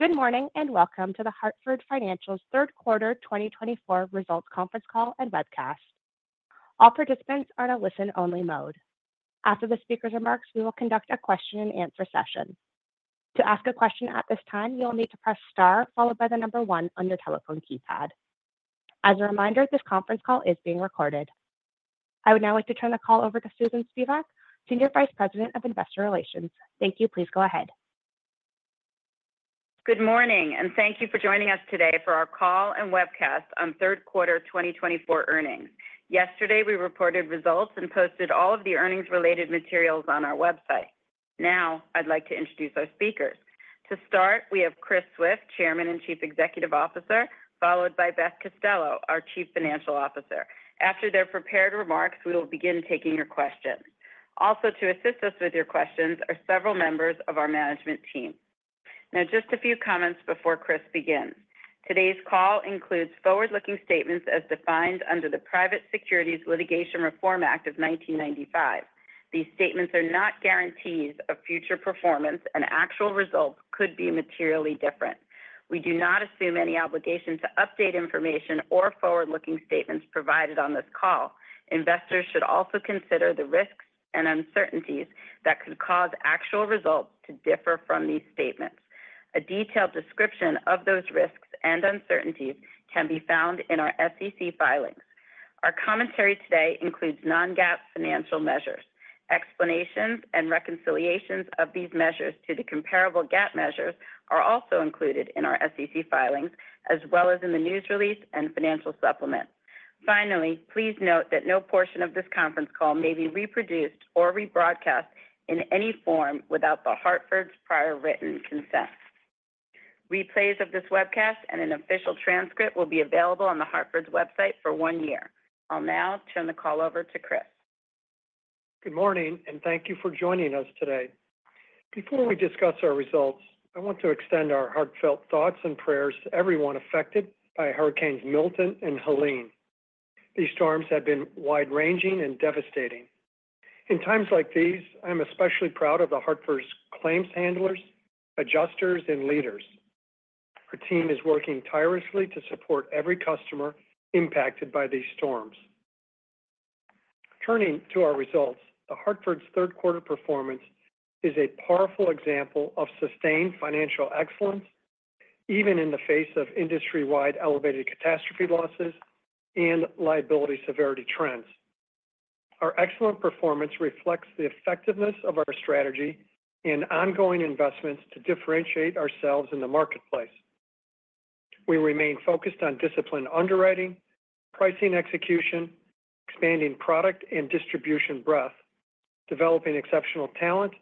Good morning, and welcome to The Hartford's third quarter 2024 results conference call and webcast. All participants are in a listen-only mode. After the speaker's remarks, we will conduct a question-and-answer session. To ask a question at this time, you'll need to press star followed by the number one on your telephone keypad. As a reminder, this conference call is being recorded. I would now like to turn the call over to Susan Spivak, Senior Vice President of Investor Relations. Thank you. Please go ahead. Good morning, and thank you for joining us today for our call and webcast on third quarter 2024 earnings. Yesterday, we reported results and posted all of the earnings-related materials on our website. Now, I'd like to introduce our speakers. To start, we have Chris Swift, Chairman and Chief Executive Officer, followed by Beth Costello, our Chief Financial Officer. After their prepared remarks, we will begin taking your questions. Also, to assist us with your questions are several members of our management team. Now, just a few comments before Chris begins. Today's call includes forward-looking statements as defined under the Private Securities Litigation Reform Act of 1995. These statements are not guarantees of future performance, and actual results could be materially different. We do not assume any obligation to update information or forward-looking statements provided on this call. Investors should also consider the risks and uncertainties that could cause actual results to differ from these statements. A detailed description of those risks and uncertainties can be found in our SEC filings. Our commentary today includes non-GAAP financial measures. Explanations and reconciliations of these measures to the comparable GAAP measures are also included in our SEC filings, as well as in the news release and financial supplement. Finally, please note that no portion of this conference call may be reproduced or rebroadcast in any form without The Hartford's prior written consent. Replays of this webcast and an official transcript will be available on The Hartford's website for one year. I'll now turn the call over to Chris. Good morning, and thank you for joining us today. Before we discuss our results, I want to extend our heartfelt thoughts and prayers to everyone affected by Hurricanes Milton and Helene. These storms have been wide-ranging and devastating. In times like these, I'm especially proud of The Hartford's claims handlers, adjusters, and leaders. Our team is working tirelessly to support every customer impacted by these storms. Turning to our results, The Hartford's third quarter performance is a powerful example of sustained financial excellence, even in the face of industry-wide elevated catastrophe losses and liability severity trends. Our excellent performance reflects the effectiveness of our strategy and ongoing investments to differentiate ourselves in the marketplace. We remain focused on disciplined underwriting, pricing execution, expanding product and distribution breadth, developing exceptional talent,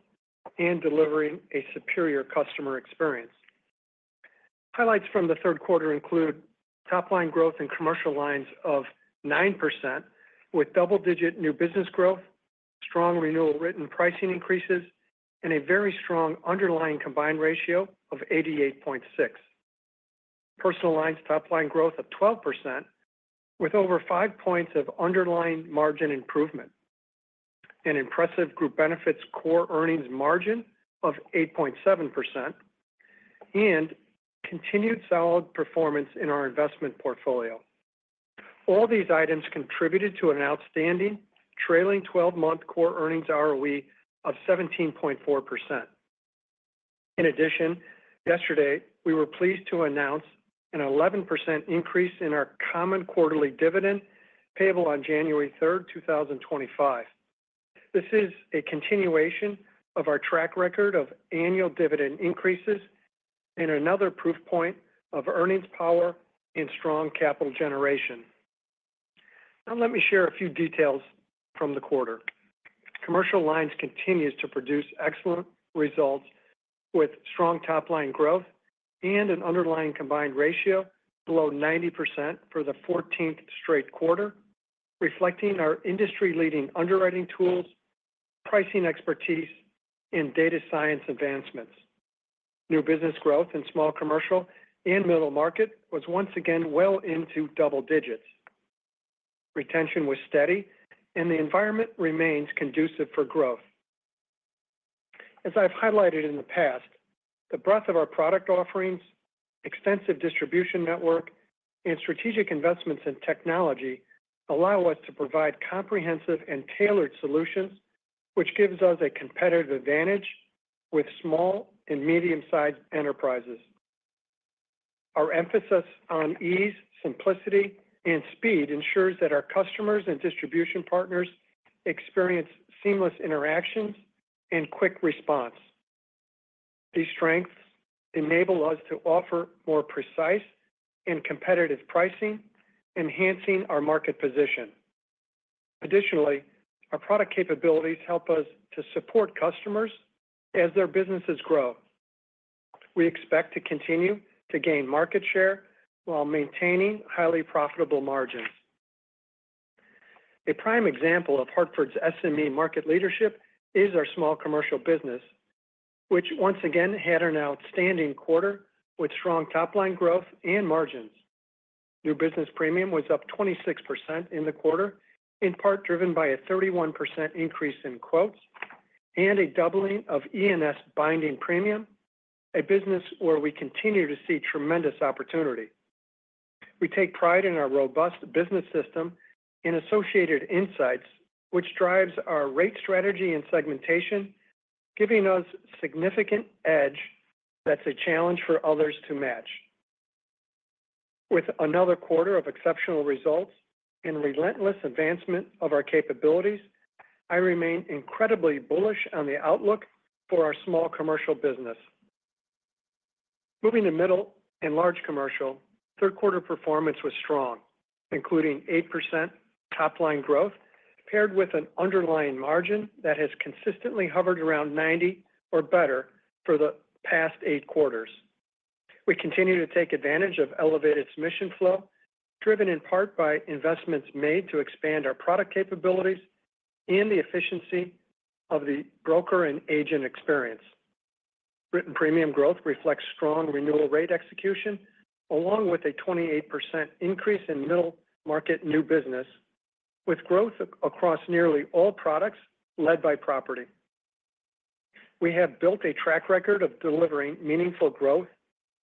and delivering a superior customer experience. Highlights from the third quarter include top-line growth in commercial lines of 9%, with double-digit new business growth, strong renewal written pricing increases, and a very strong underlying combined ratio of 88.6. Personal lines top-line growth of 12%, with over five points of underlying margin improvement, an impressive group benefits core earnings margin of 8.7%, and continued solid performance in our investment portfolio. All these items contributed to an outstanding trailing twelve-month core earnings ROE of 17.4%. In addition, yesterday, we were pleased to announce an 11% increase in our common quarterly dividend, payable on January third, 2025. This is a continuation of our track record of annual dividend increases and another proof point of earnings power and strong capital generation. Now, let me share a few details from the quarter. Commercial lines continues to produce excellent results with strong top-line growth and an underlying combined ratio below 90% for the 14th straight quarter, reflecting our industry-leading underwriting tools, pricing expertise, and data science advancements. New business growth in small commercial and middle market was once again well into double digits. Retention was steady, and the environment remains conducive for growth. As I've highlighted in the past, the breadth of our product offerings, extensive distribution network, and strategic investments in technology allow us to provide comprehensive and tailored solutions, which gives us a competitive advantage with small and medium-sized enterprises. Our emphasis on ease, simplicity, and speed ensures that our customers and distribution partners experience seamless interactions and quick response. These strengths enable us to offer more precise and competitive pricing, enhancing our market position. Additionally, our product capabilities help us to support customers as their businesses grow. We expect to continue to gain market share while maintaining highly profitable margins. A prime example of Hartford's SME market leadership is our small commercial business, which once again had an outstanding quarter with strong top-line growth and margins. New business premium was up 26% in the quarter, in part driven by a 31% increase in quotes and a doubling of E&S binding premium, a business where we continue to see tremendous opportunity. We take pride in our robust business system and associated insights, which drives our rate strategy and segmentation, giving us significant edge that's a challenge for others to match. With another quarter of exceptional results and relentless advancement of our capabilities, I remain incredibly bullish on the outlook for our small commercial business. Moving to middle and large commercial, third quarter performance was strong, including 8% top-line growth, paired with an underlying margin that has consistently hovered around 90 or better for the past eight quarters. We continue to take advantage of elevated submission flow, driven in part by investments made to expand our product capabilities and the efficiency of the broker and agent experience. Written premium growth reflects strong renewal rate execution, along with a 28% increase in middle market new business, with growth across nearly all products led by property. We have built a track record of delivering meaningful growth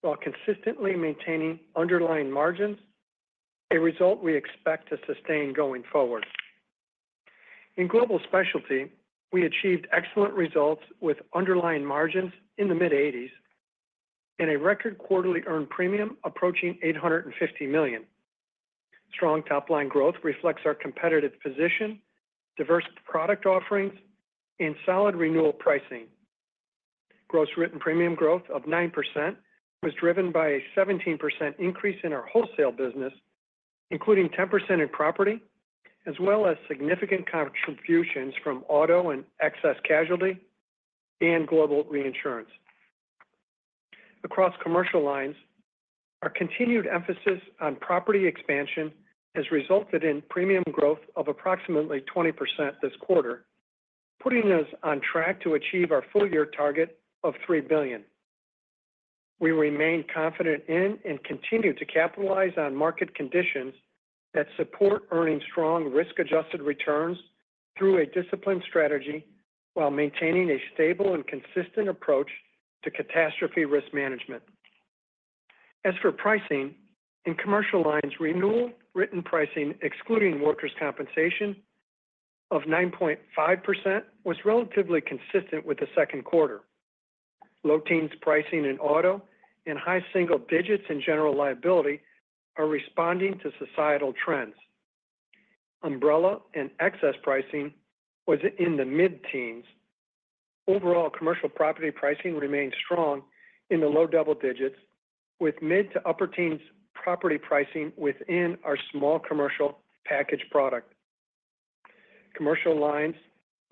while consistently maintaining underlying margins, a result we expect to sustain going forward.In Global Specialty, we achieved excellent results with underlying margins in the mid-80s and a record quarterly earned premium approaching $850 million.rStrong top-line growth reflects our competitive position, diverse product offerings, and solid renewal pricing. Gross written premium growth of 9% was driven by a 17% increase in our wholesale business, including 10% in property, as well as significant contributions from auto and excess casualty and Global Reinsurance. Across commercial lines, our continued emphasis on property expansion has resulted in premium growth of approximately 20% this quarter, putting us on track to achieve our full year target of $3 billion. We remain confident in and continue to capitalize on market conditions that support earning strong risk-adjusted returns through a disciplined strategy, while maintaining a stable and consistent approach to catastrophe risk management. As for pricing, in commercial lines, renewal written pricing, excluding workers' compensation of 9.5%, was relatively consistent with the second quarter. Low teens pricing in auto and high single digits in general liability are responding to societal trends. Umbrella and excess pricing was in the mid-teens. Overall, commercial property pricing remained strong in the low double digits, with mid- to upper-teens property pricing within our small commercial package product. Commercial lines'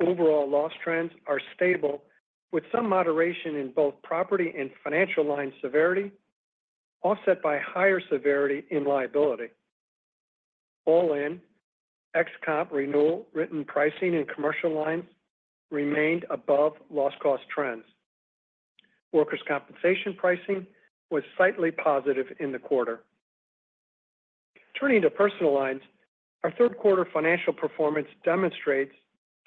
overall loss trends are stable, with some moderation in both property and financial line severity, offset by higher severity in liability. All in, ex-comp renewal written pricing in commercial lines remained above loss cost trends. Workers' compensation pricing was slightly positive in the quarter. Turning to personal lines, our third quarter financial performance demonstrates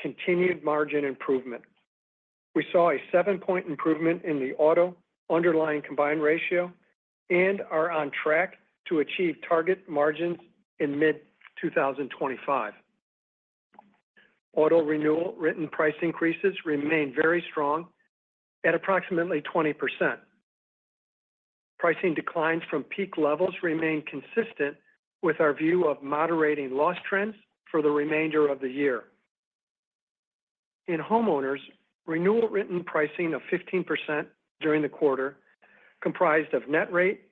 continued margin improvement. We saw a seven-point improvement in the auto underlying combined ratio and are on track to achieve target margins in mid-2025. Auto renewal written price increases remain very strong at approximately 20%. Pricing declines from peak levels remain consistent with our view of moderating loss trends for the remainder of the year. In homeowners, renewal written pricing of 15% during the quarter, comprised of net rate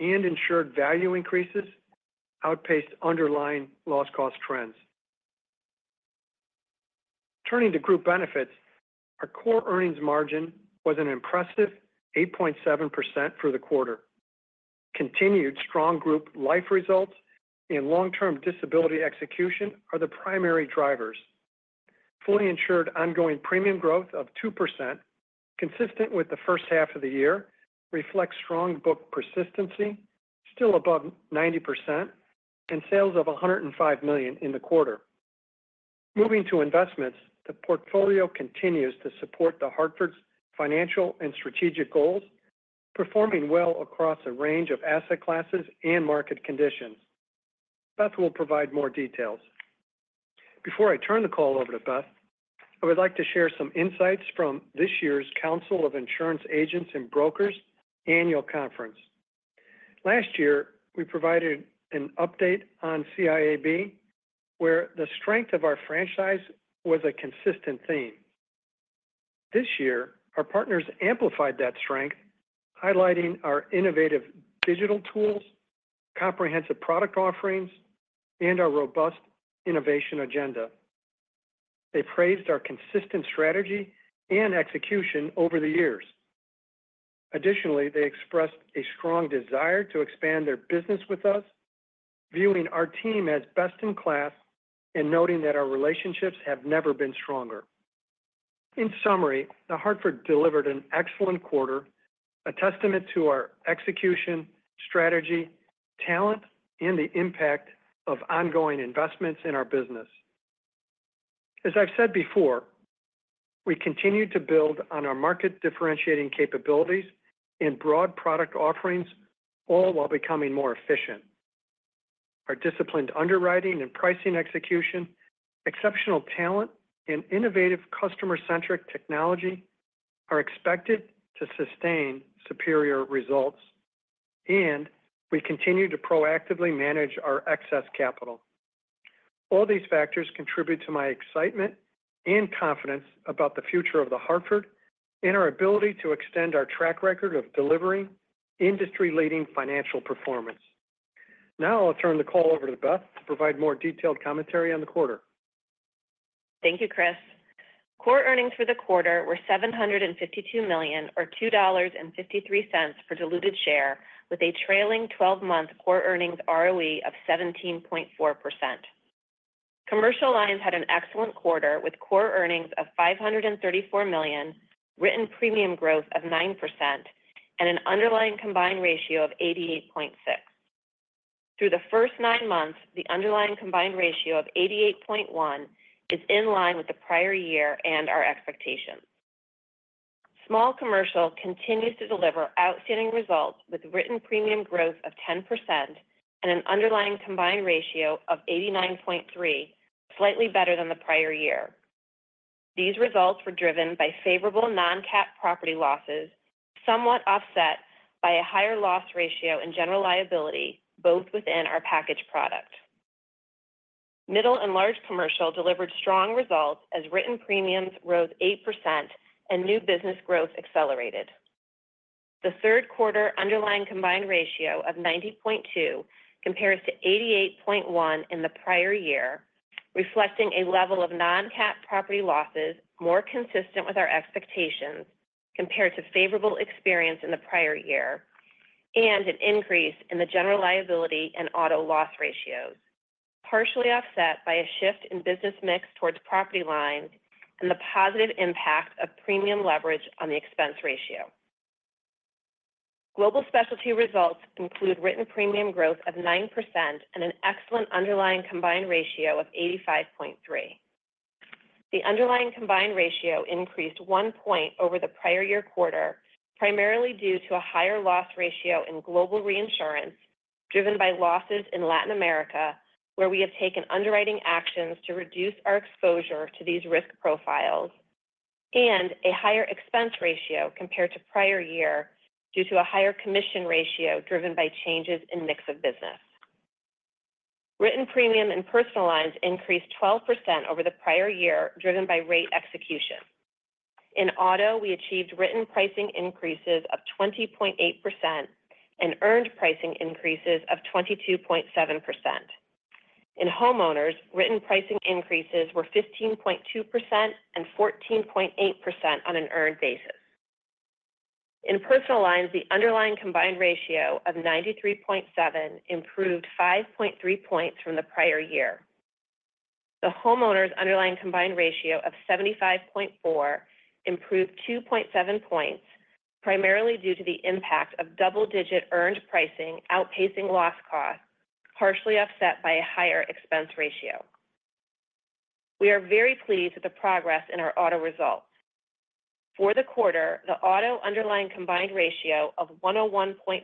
and insured value increases, outpaced underlying loss cost trends. Turning to group benefits, our core earnings margin was an impressive 8.7% for the quarter. Continued strong group life results and long-term disability execution are the primary drivers. Fully insured ongoing premium growth of 2%, consistent with the first half of the year, reflects strong book persistency, still above 90%, and sales of $105 million in the quarter. Moving to investments, the portfolio continues to support The Hartford's financial and strategic goals, performing well across a range of asset classes and market conditions. Beth will provide more details. Before I turn the call over to Beth, I would like to share some insights from this year's Council of Insurance Agents and Brokers Annual Conference. Last year, we provided an update on CIAB, where the strength of our franchise was a consistent theme. This year, our partners amplified that strength, highlighting our innovative digital tools, comprehensive product offerings, and our robust innovation agenda. They praised our consistent strategy and execution over the years. Additionally, they expressed a strong desire to expand their business with us, viewing our team as best-in-class and noting that our relationships have never been stronger. In summary, The Hartford delivered an excellent quarter, a testament to our execution, strategy, talent, and the impact of ongoing investments in our business. As I've said before, we continue to build on our market-differentiating capabilities and broad product offerings, all while becoming more efficient. Our disciplined underwriting and pricing execution, exceptional talent, and innovative customer-centric technology are expected to sustain superior results, and we continue to proactively manage our excess capital. All these factors contribute to my excitement and confidence about the future of The Hartford and our ability to extend our track record of delivering industry-leading financial performance. Now, I'll turn the call over to Beth to provide more detailed commentary on the quarter. Thank you, Chris. Core earnings for the quarter were $752 million, or $2.53 per diluted share, with a trailing twelve-month core earnings ROE of 17.4%. Commercial lines had an excellent quarter, with core earnings of $534 million, written premium growth of 9%, and an underlying combined ratio of 88.6. Through the first nine months, the underlying combined ratio of 88.1 is in line with the prior year and our expectations. Small commercial continues to deliver outstanding results, with written premium growth of 10% and an underlying combined ratio of 89.3, slightly better than the prior year. These results were driven by favorable non-cat property losses, somewhat offset by a higher loss ratio in general liability, both within our package product. Middle and large commercial delivered strong results as written premiums rose 8% and new business growth accelerated. The third quarter underlying combined ratio of 90.2 compares to 88.1 in the prior year, reflecting a level of non-cat property losses more consistent with our expectations compared to favorable experience in the prior year, and an increase in the general liability and auto loss ratios, partially offset by a shift in business mix towards property lines and the positive impact of premium leverage on the expense ratio. Global Specialty results include written premium growth of 9% and an excellent underlying combined ratio of 85.3. The underlying combined ratio increased one point over the prior year quarter, primarily due to a higher loss ratio in global reinsurance, driven by losses in Latin America, where we have taken underwriting actions to reduce our exposure to these risk profiles, and a higher expense ratio compared to prior year due to a higher commission ratio driven by changes in mix of business. Written premium in personal lines increased 12% over the prior year, driven by rate execution. In auto, we achieved written pricing increases of 20.8% and earned pricing increases of 22.7%. In homeowners, written pricing increases were 15.2% and 14.8% on an earned basis. In personal lines, the underlying combined ratio of 93.7 improved 5.3 points from the prior year. The homeowners' underlying combined ratio of 75.4 improved 2.7 points, primarily due to the impact of double-digit earned pricing outpacing loss costs, partially offset by a higher expense ratio. We are very pleased with the progress in our auto results. For the quarter, the auto underlying combined ratio of 101.5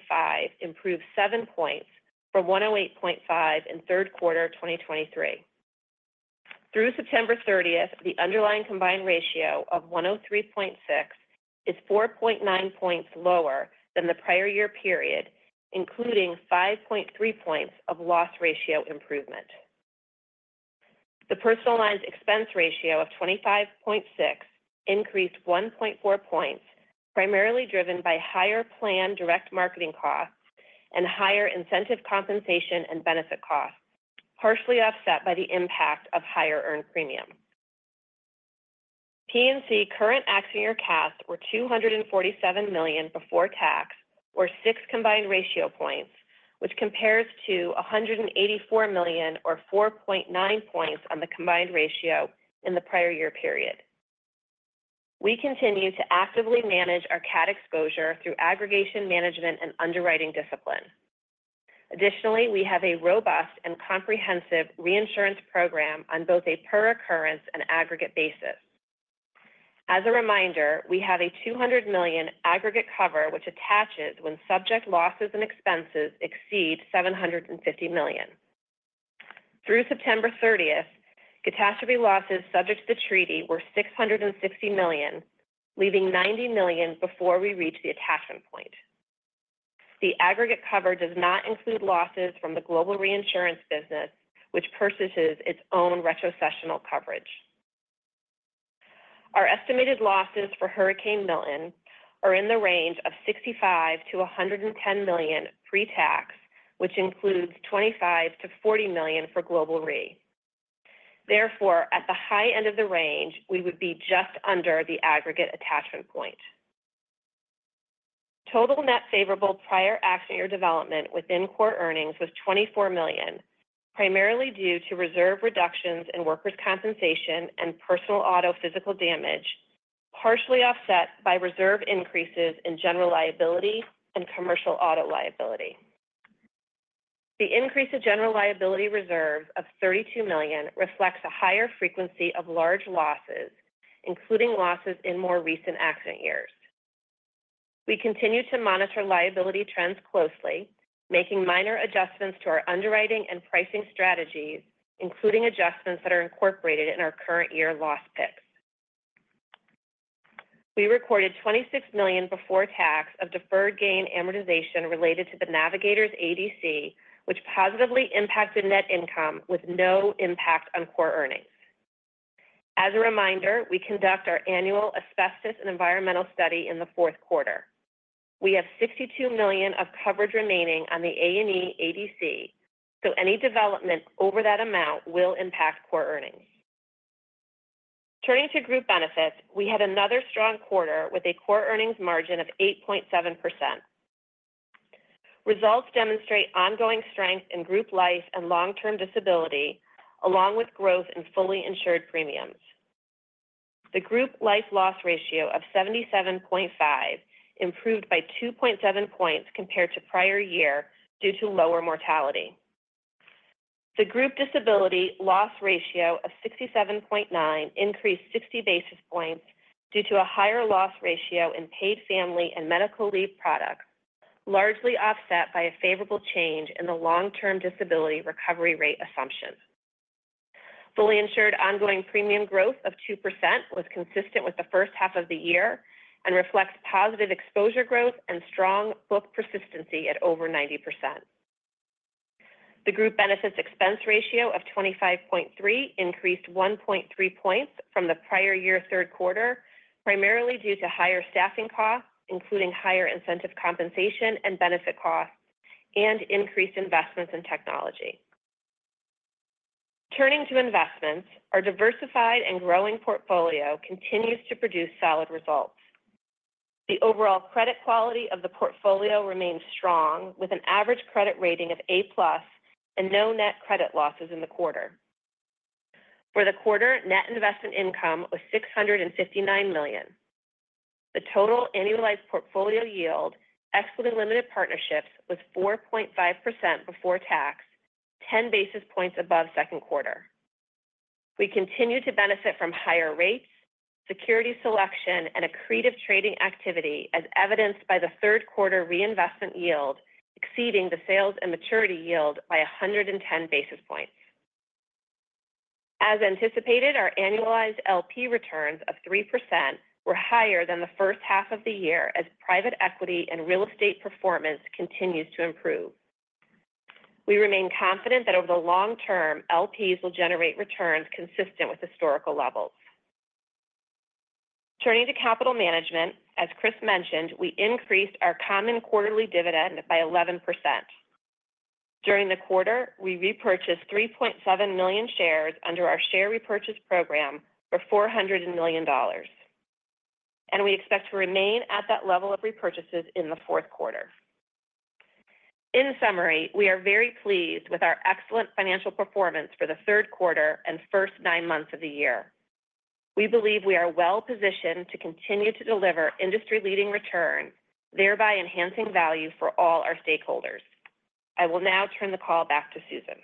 improved seven points from 108.5 in third quarter of 2023. Through September thirtieth, the underlying combined ratio of 103.6 is 4.9 points lower than the prior year period, including 5.3 points of loss ratio improvement. The personal lines expense ratio of 25.6 increased 1.4 points, primarily driven by higher planned direct marketing costs and higher incentive compensation and benefit costs, partially offset by the impact of higher earned premium. P&C current accident year CATs were $247 million before tax, or 6 combined ratio points, which compares to $184 million, or 4.9 points on the combined ratio in the prior year period. We continue to actively manage our CAT exposure through aggregation management, and underwriting discipline. Additionally, we have a robust and comprehensive reinsurance program on both a per occurrence and aggregate basis. As a reminder, we have a $200 million aggregate cover which attaches when subject losses and expenses exceed $750 million. Through September 30, catastrophe losses subject to the treaty were $660 million, leaving $90 million before we reach the attachment point. The aggregate cover does not include losses from the Global Reinsurance business, which purchases its own retrocessional coverage. Our estimated losses for Hurricane Milton are in the range of $65-$110 million pre-tax, which includes $25-$40 million for Global Re. Therefore, at the high end of the range, we would be just under the aggregate attachment point. Total net favorable prior accident year development within core earnings was $24 million, primarily due to reserve reductions in workers' compensation and personal auto physical damage, partially offset by reserve increases in general liability and commercial auto liability. The increase in general liability reserve of $32 million reflects a higher frequency of large losses, including losses in more recent accident years. We continue to monitor liability trends closely, making minor adjustments to our underwriting and pricing strategies, including adjustments that are incorporated in our current year loss picks. We recorded $26 million before tax of deferred gain amortization related to the Navigators ADC, which positively impacted net income with no impact on core earnings. As a reminder, we conduct our annual asbestos and environmental study in the fourth quarter. We have $62 million of coverage remaining on the A&E ADC, so any development over that amount will impact core earnings. Turning to group benefits, we had another strong quarter with a core earnings margin of 8.7%. Results demonstrate ongoing strength in group life and long-term disability, along with growth in fully insured premiums. The group life loss ratio of 77.5 improved by 2.7 points compared to prior year due to lower mortality. The group disability loss ratio of 67.9 increased 60 basis points due to a higher loss ratio in paid family and medical leave products, largely offset by a favorable change in the long-term disability recovery rate assumption. Fully insured ongoing premium growth of 2% was consistent with the first half of the year and reflects positive exposure growth and strong book persistency at over 90%. The group benefits expense ratio of 25.3 increased 1.3 points from the prior year third quarter, primarily due to higher staffing costs, including higher incentive compensation and benefit costs and increased investments in technology. Turning to investments, our diversified and growing portfolio continues to produce solid results. The overall credit quality of the portfolio remains strong, with an average credit rating of A plus and no net credit losses in the quarter. For the quarter, net investment income was $659 million. The total annualized portfolio yield, ex Limited Partnerships, was 4.5% before tax, 10 basis points above second quarter. We continue to benefit from higher rates, security selection, and accretive trading activity, as evidenced by the third quarter reinvestment yield exceeding the sales and maturity yield by 110 basis points. As anticipated, our annualized LP returns of 3% were higher than the first half of the year as private equity and real estate performance continues to improve. We remain confident that over the long term, LPs will generate returns consistent with historical levels. Turning to capital management, as Chris mentioned, we increased our common quarterly dividend by 11%. During the quarter, we repurchased 3.7 million shares under our share repurchase program for $400 million, and we expect to remain at that level of repurchases in the fourth quarter. In summary, we are very pleased with our excellent financial performance for the third quarter and first nine months of the year. We believe we are well-positioned to continue to deliver industry-leading returns, thereby enhancing value for all our stakeholders. I will now turn the call back to Susan.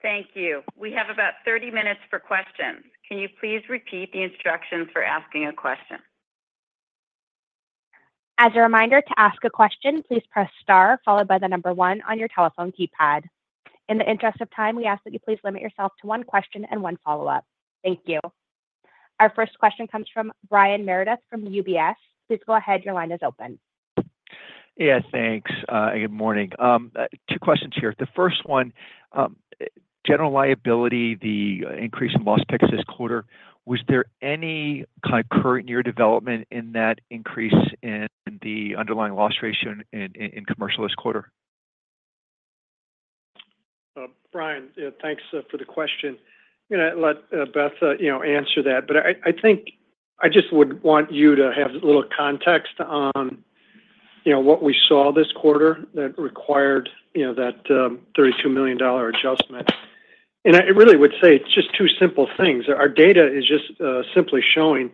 Thank you. We have about 30 minutes for questions. Can you please repeat the instructions for asking a question? As a reminder, to ask a question, please press star, followed by the number one on your telephone keypad. In the interest of time, we ask that you please limit yourself to one question and one follow-up. Thank you. Our first question comes from Brian Meredith from UBS. Please go ahead. Your line is open. Yeah, thanks. Good morning. Two questions here. The first one, general liability, the increase in loss pick-up this quarter, was there any kind of current year development in that increase in the underlying loss ratio in commercial this quarter? Brian, yeah, thanks for the question. I'm gonna let Beth, you know, answer that, but I think I just would want you to have a little context on, you know, what we saw this quarter that required, you know, that $32 million adjustment. And I really would say it's just two simple things. Our data is just simply showing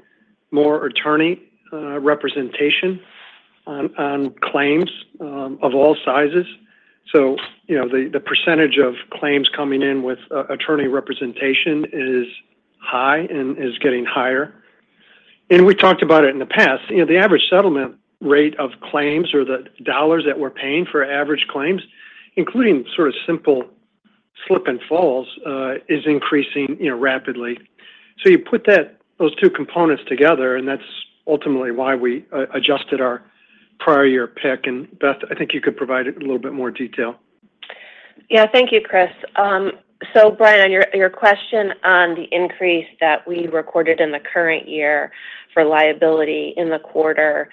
more attorney representation on claims of all sizes. So, you know, the percentage of claims coming in with attorney representation is high and is getting higher. And we talked about it in the past. You know, the average settlement rate of claims or the dollars that we're paying for average claims, including sort of simple slip and falls is increasing, you know, rapidly. So you put that, those two components together, and that's ultimately why we adjusted our prior year pick. And, Beth, I think you could provide a little bit more detail. Yeah. Thank you, Chris. So Brian, on your question on the increase that we recorded in the current year for liability in the quarter,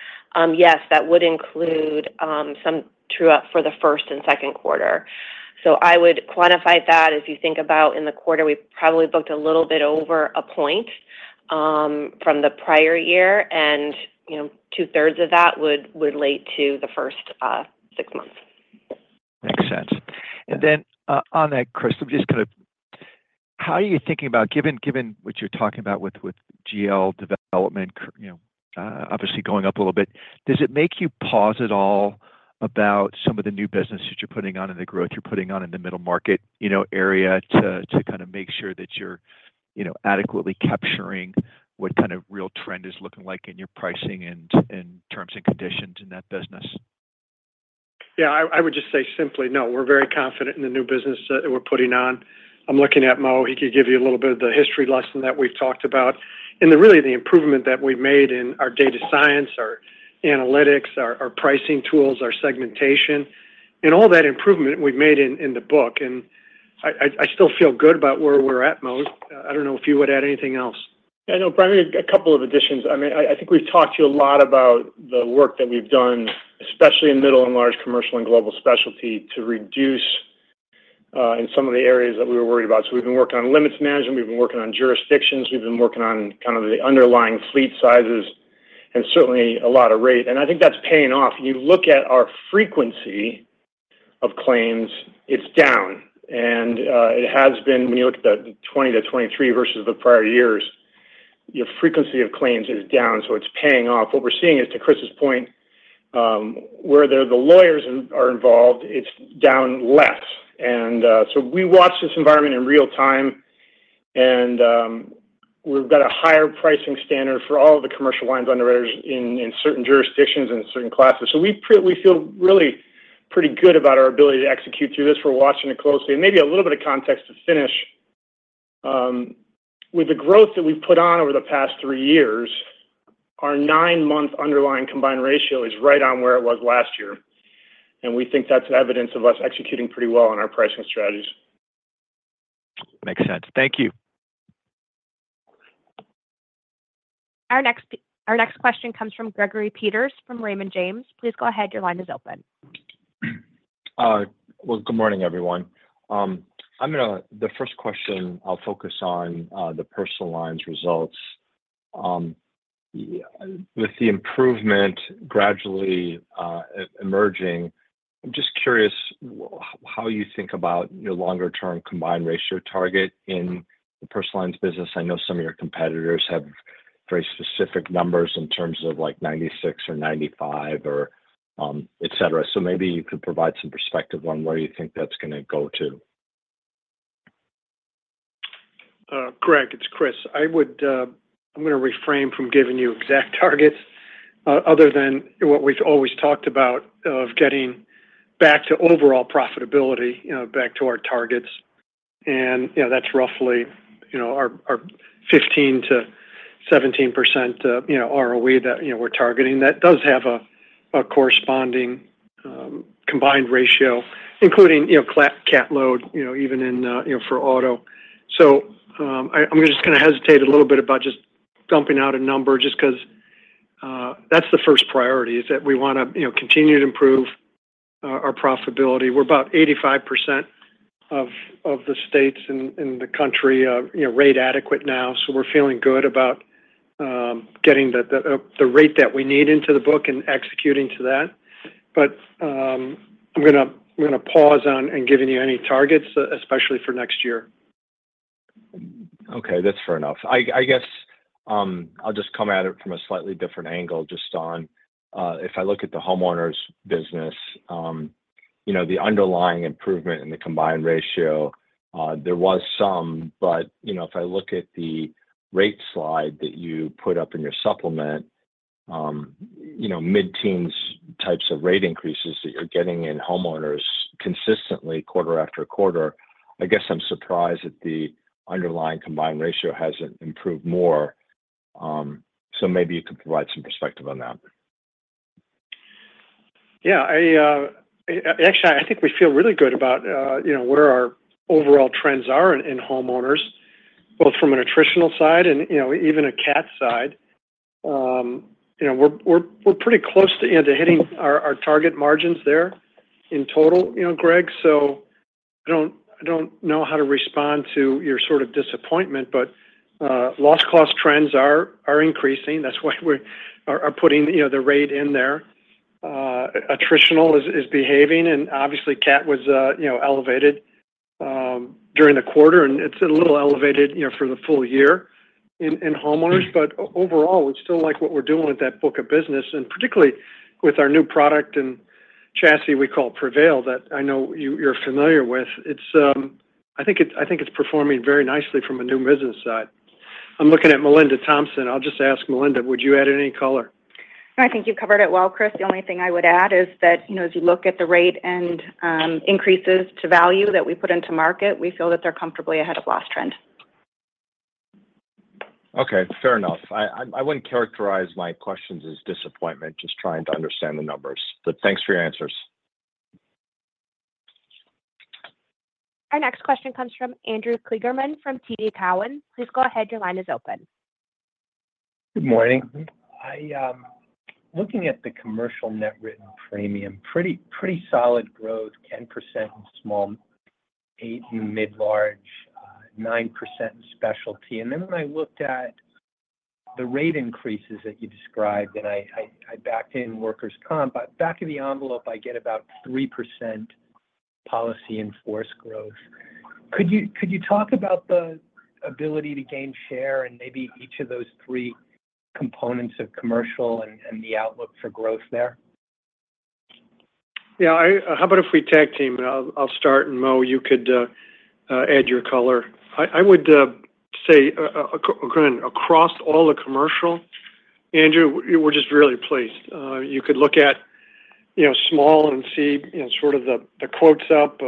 yes, that would include some true up for the first and second quarter. So I would quantify that as you think about in the quarter, we probably booked a little bit over a point.... from the prior year, and, you know, two-thirds of that would relate to the first six months. Makes sense. And then, on that, Chris, just kind of how are you thinking about, given what you're talking about with GL development, you know, obviously going up a little bit, does it make you pause at all about some of the new businesses you're putting on and the growth you're putting on in the middle market, you know, area to kind of make sure that you're, you know, adequately capturing what kind of real trend is looking like in your pricing and terms and conditions in that business? Yeah, I would just say simply, no, we're very confident in the new business that we're putting on. I'm looking at Mo. He could give you a little bit of the history lesson that we've talked about and the improvement that we've made in our data science, our analytics, our pricing tools, our segmentation, and all that improvement we've made in the book, and I still feel good about where we're at, Mo. I don't know if you would add anything else. I know, Brian, a couple of additions. I mean, I think we've talked to you a lot about the work that we've done, especially in middle and large commercial and Global Specialty, to reduce in some of the areas that we were worried about. So we've been working on limits management, we've been working on jurisdictions, we've been working on kind of the underlying fleet sizes, and certainly a lot of rate. And I think that's paying off. You look at our frequency of claims, it's down, and it has been. When you look at the 2020 to 2023 versus the prior years, your frequency of claims is down, so it's paying off. What we're seeing is, to Chris's point, where the lawyers are involved, it's down less. And so we watch this environment in real time, and we've got a higher pricing standard for all of the commercial lines underwriters in certain jurisdictions and certain classes. So we feel really pretty good about our ability to execute through this. We're watching it closely. And maybe a little bit of context to finish. With the growth that we've put on over the past three years, our nine-month underlying combined ratio is right on where it was last year, and we think that's evidence of us executing pretty well on our pricing strategies. Makes sense. Thank you. Our next question comes from Gregory Peters from Raymond James. Please go ahead. Your line is open. Well, good morning, everyone. I'm gonna. The first question, I'll focus on the personal lines results. With the improvement gradually emerging, I'm just curious how you think about your longer-term combined ratio target in the personal lines business. I know some of your competitors have very specific numbers in terms of, like, 96 or 95 or, et cetera. So maybe you could provide some perspective on where you think that's gonna go to. Greg, it's Chris. I would, I'm gonna refrain from giving you exact targets, other than what we've always talked about, of getting back to overall profitability, you know, back to our targets. And, you know, that's roughly, you know, our, our 15%-17%, you know, ROE that, you know, we're targeting. That does have a, a corresponding, combined ratio, including, you know, CAT load, you know, even in, you know, for auto. So, I, I'm just gonna hesitate a little bit about just dumping out a number just 'cause, that's the first priority, is that we wanna, you know, continue to improve our, our profitability. We're about 85% of the states in the country, you know, rate adequate now, so we're feeling good about getting the rate that we need into the book and executing to that. But, I'm gonna pause on giving you any targets, especially for next year. Okay, that's fair enough. I guess, I'll just come at it from a slightly different angle, just on, if I look at the homeowners business, you know, the underlying improvement in the combined ratio, there was some, but, you know, if I look at the rate slide that you put up in your supplement, you know, mid-teens types of rate increases that you're getting in homeowners consistently quarter after quarter, I guess I'm surprised that the underlying combined ratio hasn't improved more. So maybe you could provide some perspective on that. Yeah, actually, I think we feel really good about, you know, what are our overall trends are in homeowners, both from an attritional side and, you know, even a cat side. You know, we're pretty close to, you know, to hitting our target margins there in total, you know, Greg. So I don't know how to respond to your sort of disappointment, but loss cost trends are increasing. That's why we are putting, you know, the rate in there. Attritional is behaving, and obviously, cat was, you know, elevated during the quarter, and it's a little elevated, you know, for the full year in homeowners. But overall, we still like what we're doing with that book of business, and particularly with our new product and chassis we call Prevail, that I know you're familiar with. It's, I think it's performing very nicely from a new business side. I'm looking at Melinda Thompson. I'll just ask Melinda, would you add any color? I think you've covered it well, Chris. The only thing I would add is that, you know, as you look at the rate and increases to value that we put into market, we feel that they're comfortably ahead of loss trend. Okay, fair enough. I wouldn't characterize my questions as disappointment, just trying to understand the numbers. But thanks for your answers. Our next question comes from Andrew Kligerman from TD Cowen. Please go ahead. Your line is open. Good morning. Looking at the commercial net written premium, pretty solid growth, 10% in small, 8% in mid-large, 9% in specialty. Then when I looked at the rate increases that you described, and I backed in workers' comp, but back of the envelope, I get about 3% policy in force growth. Could you talk about the ability to gain share in maybe each of those three components of commercial and the outlook for growth there? Yeah, I-- how about if we tag team? I'll start, and, Mo, you could add your color. I would say, again, across all the commercial, Andrew, we're just really pleased. You could look at, you know, small and see, you know, sort of the quotes up.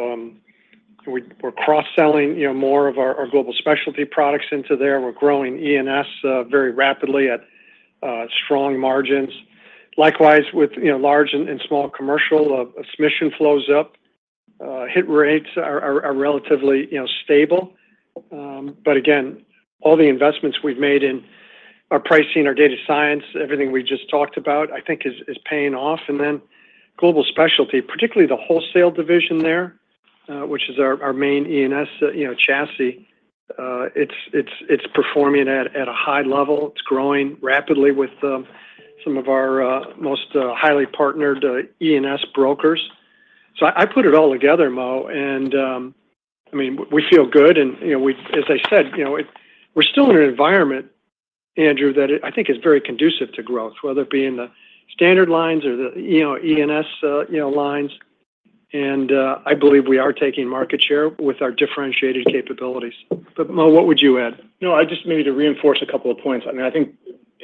We're cross-selling, you know, more of our Global Specialty products into there. We're growing E&S very rapidly at strong margins. Likewise, with, you know, large and small commercial, submission flows up, hit rates are relatively, you know, stable. But again, all the investments we've made in our pricing, our data science, everything we just talked about, I think is paying off. And then Global Specialty, particularly the wholesale division there, which is our main E&S, you know, chassis. It's performing at a high level. It's growing rapidly with some of our most highly partnered E&S brokers. So I put it all together, Mo, and I mean, we feel good, and you know, as I said, you know, it, we're still in an environment, Andrew, that I think is very conducive to growth, whether it be in the standard lines or the you know E&S you know lines. And I believe we are taking market share with our differentiated capabilities. But, Mo, what would you add? No, I just maybe to reinforce a couple of points. I mean, I think,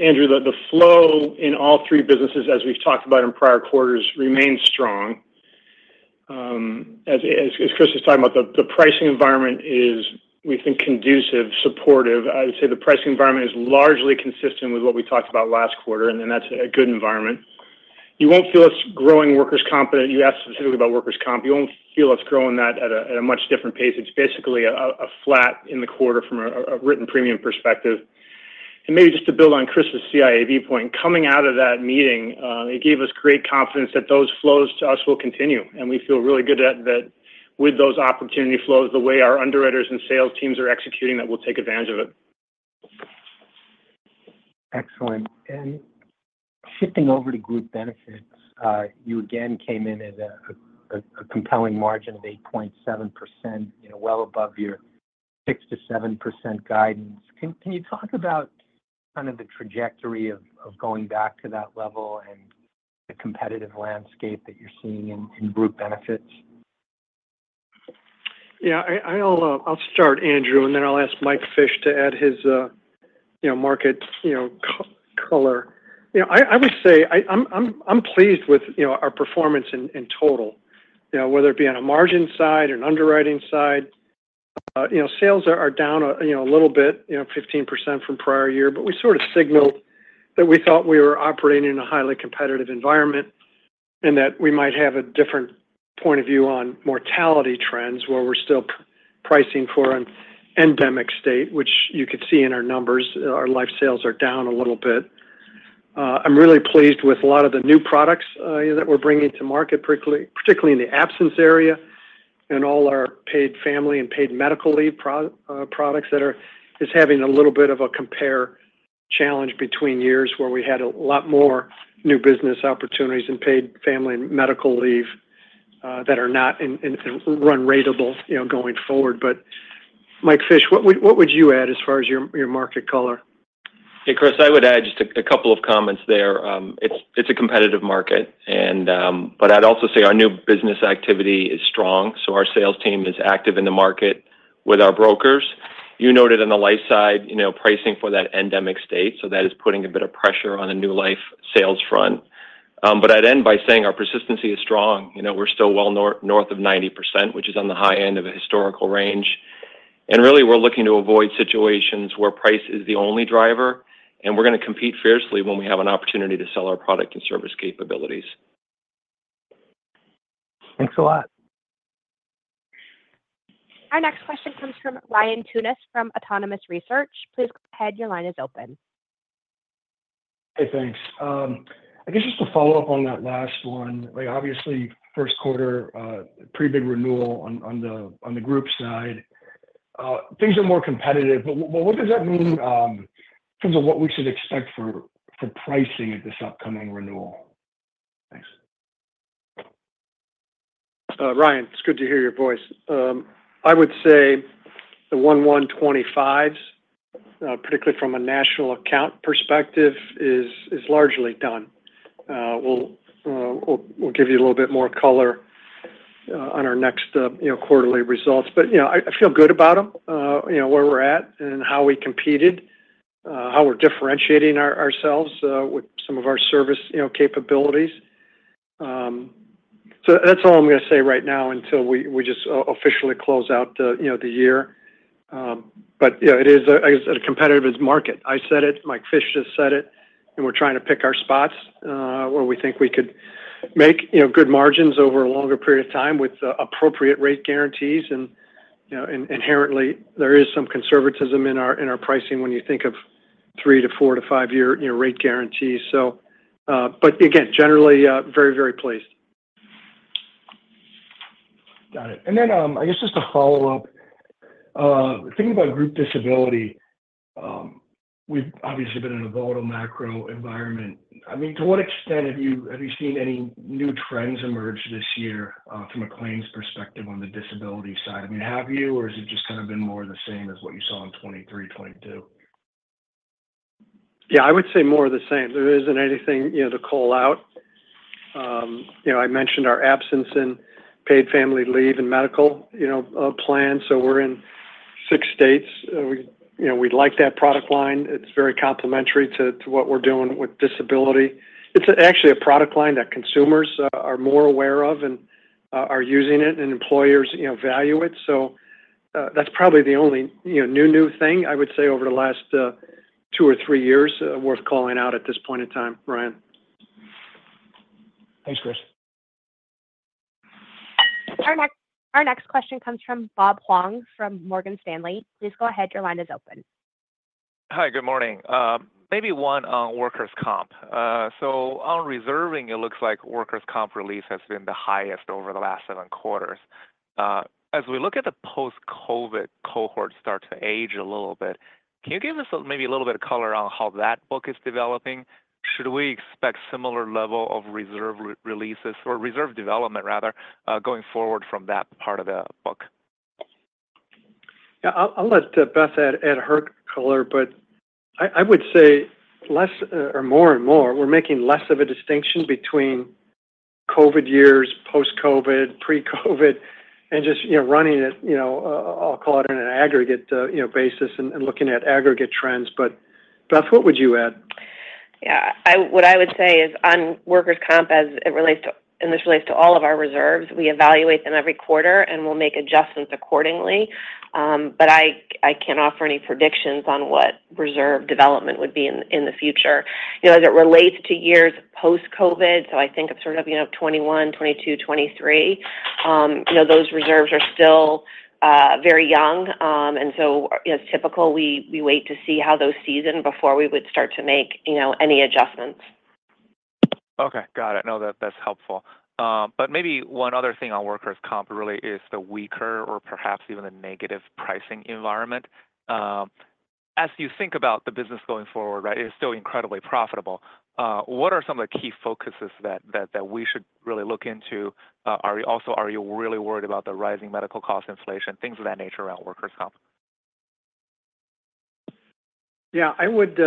Andrew, the flow in all three businesses, as we've talked about in prior quarters, remains strong. As Chris was talking about, the pricing environment is, we think, conducive, supportive. I'd say the pricing environment is largely consistent with what we talked about last quarter, and then that's a good environment. You won't feel us growing workers' comp, you asked specifically about workers' comp. You won't feel us growing that at a much different pace. It's basically a flat in the quarter from a written premium perspective. And maybe just to build on Chris's CIAB point, coming out of that meeting, it gave us great confidence that those flows to us will continue, and we feel really good at that with those opportunity flows, the way our underwriters and sales teams are executing, that we'll take advantage of it. Excellent. And shifting over to group benefits, you again came in at a compelling margin of 8.7%, you know, well above your 6%-7% guidance. Can you talk about kind of the trajectory of going back to that level and the competitive landscape that you're seeing in group benefits? Yeah, I'll start, Andrew, and then I'll ask Mike Fish to add his, you know, market color. You know, I would say I'm pleased with, you know, our performance in total, you know, whether it be on a margin side or an underwriting side. You know, sales are down, you know, a little bit, you know, 15% from prior year, but we sort of signaled that we thought we were operating in a highly competitive environment, and that we might have a different point of view on mortality trends, where we're still pricing for an endemic state, which you could see in our numbers. Our life sales are down a little bit. I'm really pleased with a lot of the new products, you know, that we're bringing to market, particularly in the absence area and all our paid family and paid medical leave products that are just having a little bit of a compare challenge between years where we had a lot more new business opportunities and paid family medical leave that are not in run ratable, you know, going forward. But Mike Fish, what would you add as far as your market color? Hey, Chris, I would add just a couple of comments there. It's a competitive market, and but I'd also say our new business activity is strong, so our sales team is active in the market with our brokers. You noted on the life side, you know, pricing for that endemic state, so that is putting a bit of pressure on the new life sales front. But I'd end by saying our persistency is strong. You know, we're still well north of 90%, which is on the high end of a historical range. And really, we're looking to avoid situations where price is the only driver, and we're gonna compete fiercely when we have an opportunity to sell our product and service capabilities. Thanks a lot. Our next question comes from Ryan Tunis from Autonomous Research. Please go ahead. Your line is open. Hey, thanks. I guess just to follow up on that last one, like, obviously, first quarter, pretty big renewal on the group side. Things are more competitive, but what does that mean in terms of what we should expect for pricing at this upcoming renewal? Thanks. Ryan, it's good to hear your voice. I would say the 1/1/25s, particularly from a national account perspective, is largely done. We'll give you a little bit more color on our next, you know, quarterly results. But, you know, I feel good about them, you know, where we're at and how we competed, how we're differentiating ourselves with some of our service, you know, capabilities. So that's all I'm gonna say right now until we just officially close out the, you know, the year. You know, it is a competitive market. I said it, Mike Fish just said it, and we're trying to pick our spots where we think we could-... make, you know, good margins over a longer period of time with appropriate rate guarantees. And, you know, and inherently, there is some conservatism in our, in our pricing when you think of three to four to five-year, you know, rate guarantees. So, but again, generally, very, very pleased. Got it, and then I guess just to follow up, thinking about group disability, we've obviously been in a volatile macro environment. I mean, to what extent have you seen any new trends emerge this year, from a claims perspective on the disability side? I mean, have you, or has it just kind of been more the same as what you saw in 2023, 2022? Yeah, I would say more of the same. There isn't anything, you know, to call out. You know, I mentioned our absence in paid family and medical leave, you know, plan, so we're in six states. We, you know, we like that product line. It's very complementary to what we're doing with disability. It's actually a product line that consumers are more aware of and are using it, and employers, you know, value it. So, that's probably the only, you know, new thing I would say over the last two or three years worth calling out at this point in time, Ryan. Thanks, Chris. Our next question comes from Bob Huang from Morgan Stanley. Please go ahead. Your line is open. Hi, good morning. Maybe one on workers' comp. So on reserving, it looks like workers' comp release has been the highest over the last seven quarters. As we look at the post-COVID cohort start to age a little bit, can you give us maybe a little bit of color on how that book is developing? Should we expect similar level of reserve releases or reserve development, rather, going forward from that part of the book? Yeah, I'll let Beth add her color, but I would say less or more and more, we're making less of a distinction between COVID years, post-COVID, pre-COVID, and just, you know, running it, you know, I'll call it in an aggregate, you know, basis and looking at aggregate trends. But, Beth, what would you add? Yeah, what I would say is on workers' comp, as it relates to, and this relates to all of our reserves, we evaluate them every quarter, and we'll make adjustments accordingly. But I can't offer any predictions on what reserve development would be in the future. You know, as it relates to years post-COVID, so I think of sort of, you know, 2021, 2022, 2023, you know, those reserves are still very young. And so, as typical, we wait to see how those seasons before we would start to make, you know, any adjustments. Okay. Got it. No, that, that's helpful. But maybe one other thing on workers' comp really is the weaker or perhaps even the negative pricing environment. As you think about the business going forward, right, it's still incredibly profitable. What are some of the key focuses that we should really look into? Also, are you really worried about the rising medical cost inflation, things of that nature around workers' comp? Yeah, I would,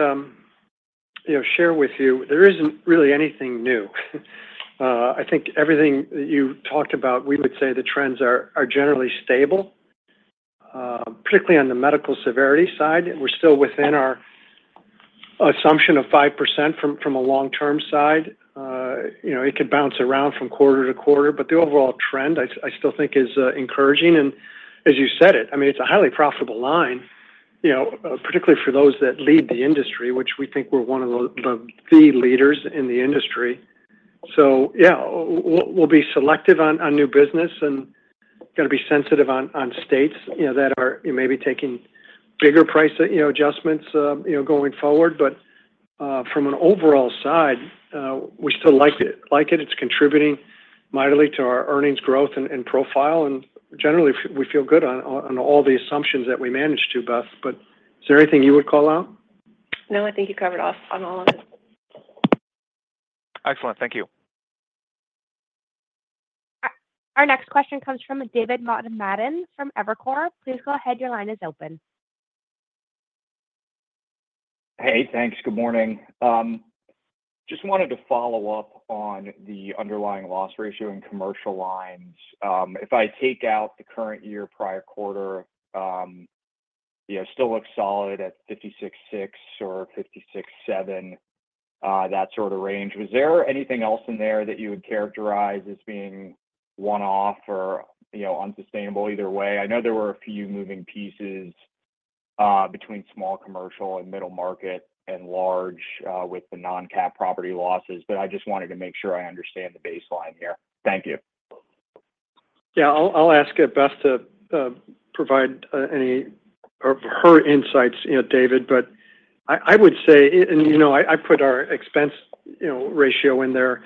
you know, share with you, there isn't really anything new. I think everything that you talked about, we would say the trends are generally stable, particularly on the medical severity side. We're still within our assumption of 5% from a long-term side. You know, it could bounce around from quarter to quarter, but the overall trend, I still think is encouraging. And as you said it, I mean, it's a highly profitable line, you know, particularly for those that lead the industry, which we think we're one of the leaders in the industry. So yeah, we'll be selective on new business and gonna be sensitive on states, you know, that are maybe taking bigger price, you know, adjustments, going forward. But, from an overall side, we still like it, like it. It's contributing mightily to our earnings growth and profile, and generally, we feel good on all the assumptions that we managed to, Beth. But is there anything you would call out? No, I think you covered off on all of it. Excellent. Thank you. Our next question comes from David Motemaden from Evercore. Please go ahead. Your line is open. Hey, thanks. Good morning. Just wanted to follow up on the underlying loss ratio in commercial lines. If I take out the current year, prior quarter, you know, still looks solid at 56.6% or 56.7%, that sort of range. Was there anything else in there that you would characterize as being one-off or, you know, unsustainable either way? I know there were a few moving pieces, between small commercial and middle market and large, with the non-CAT property losses, but I just wanted to make sure I understand the baseline here. Thank you. Yeah, I'll ask Beth to provide any of her insights, you know, David. But I would say, and, you know, I put our expense ratio in there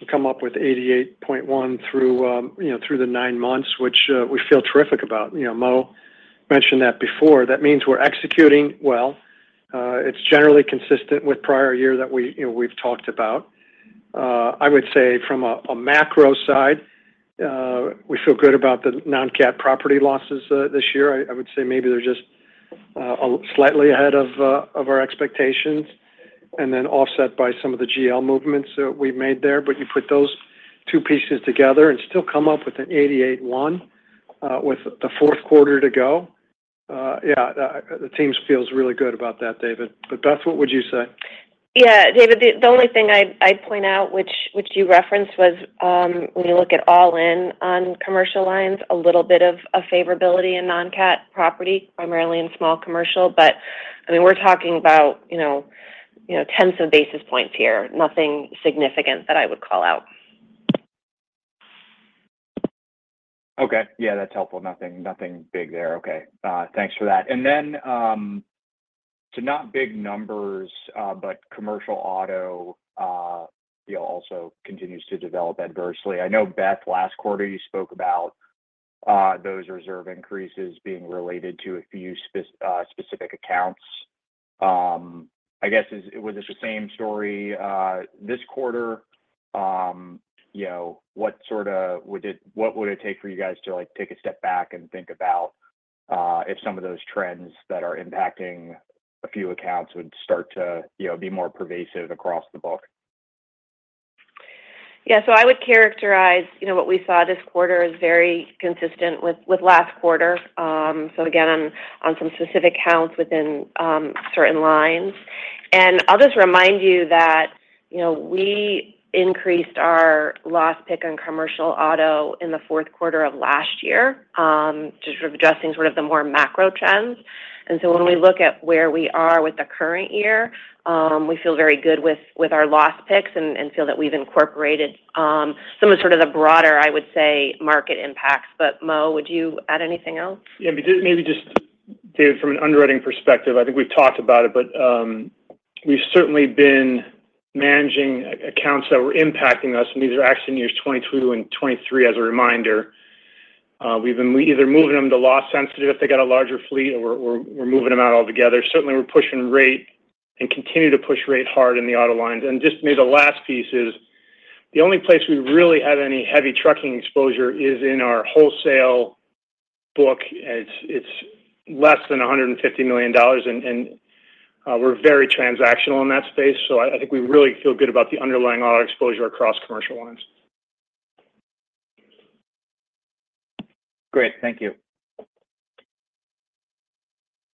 to come up with 88.1% through the nine months, which we feel terrific about. You know, Mo mentioned that before. That means we're executing well. It's generally consistent with prior year that we, you know, we've talked about. I would say from a macro side, we feel good about the non-cat property losses this year. I would say maybe they're just slightly ahead of our expectations and then offset by some of the GL movements that we've made there. But you put those two pieces together and still come up with an 88.1 with the fourth quarter to go. Yeah, the team feels really good about that, David. But, Beth, what would you say? Yeah, David, the only thing I'd point out, which you referenced, was when you look at all in on commercial lines, a little bit of a favorability in non-cat property, primarily in small commercial. But I mean, we're talking about, you know, tens of basis points here, nothing significant that I would call out. Okay. Yeah, that's helpful. Nothing, nothing big there. Okay. Thanks for that, and then, so not big numbers, but commercial auto, you know, also continues to develop adversely. I know, Beth, last quarter, you spoke about those reserve increases being related to a few specific accounts. I guess, was it the same story this quarter? You know, what sort of would it take for you guys to, like, take a step back and think about if some of those trends that are impacting a few accounts would start to, you know, be more pervasive across the book? Yeah, so I would characterize, you know, what we saw this quarter as very consistent with last quarter. So again, on some specific counts within certain lines. And I'll just remind you that, you know, we increased our loss pick on commercial auto in the fourth quarter of last year, to sort of addressing sort of the more macro trends. And so when we look at where we are with the current year, we feel very good with our loss picks and feel that we've incorporated some of sort of the broader, I would say, market impacts. But Mo, would you add anything else? Yeah, maybe just, David, from an underwriting perspective, I think we've talked about it, but, we've certainly been managing accounts that were impacting us, and these are actually years 2022 and 2023, as a reminder. We've been either moving them to loss sensitive if they got a larger fleet or we're moving them out altogether. Certainly, we're pushing rate and continue to push rate hard in the auto lines. And just maybe the last piece is, the only place we really have any heavy trucking exposure is in our wholesale book. It's less than $150 million, and we're very transactional in that space. So I think we really feel good about the underlying auto exposure across commercial lines. Great. Thank you.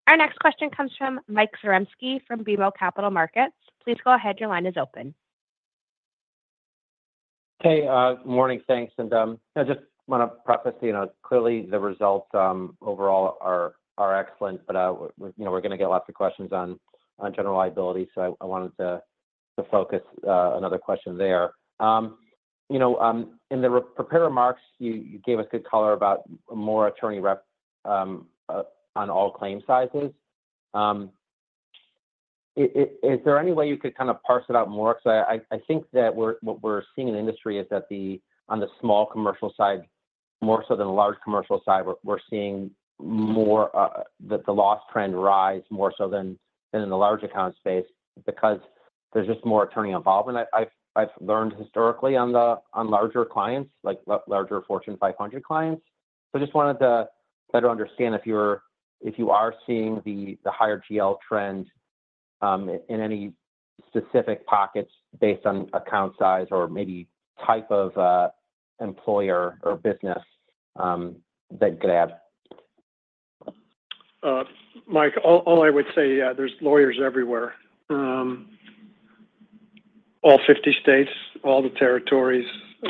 Our next question comes from Mike Zarembski, from BMO Capital Markets. Please go ahead. Your line is open. Hey, morning, thanks. And, I just wanna preface, you know, clearly the results overall are excellent, but, we, you know, we're gonna get lots of questions on general liability, so I wanted to focus another question there. You know, in the prepared remarks, you gave us good color about more attorney rep on all claim sizes. Is there any way you could kind of parse it out more? 'Cause I think that what we're seeing in the industry is that on the small commercial side, more so than the large commercial side, we're seeing more that the loss trend rise more so than in the large account space because there's just more attorney involvement. I've learned historically on larger clients, like larger Fortune 500 clients. So just wanted to better understand if you are seeing the higher GL trends in any specific pockets based on account size or maybe type of employer or business, that group. Mike, all I would say, yeah, there's lawyers everywhere. All 50 states, all the territories,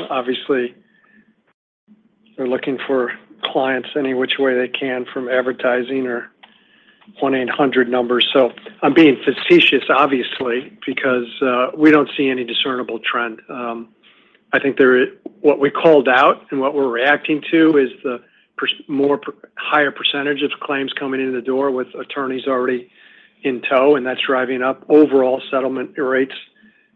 obviously, they're looking for clients any which way they can, from advertising or 1-800 numbers. So I'm being facetious, obviously, because we don't see any discernible trend. I think there is what we called out and what we're reacting to is the higher percentage of claims coming in the door with attorneys already in tow, and that's driving up overall settlement rates,